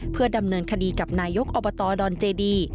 เพื่อดำเนินคดีกับนายกอบตดอนเจดี